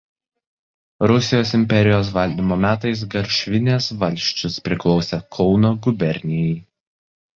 Rusijos imperijos valdymo metais Garšvinės valsčius priklausė Kauno gubernijai.